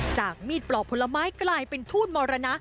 จากมีดปลอกผลไม้กลายเป็นทูตมรณะ